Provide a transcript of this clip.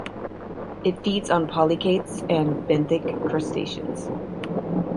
It feeds on polychaetes and benthic crustaceans.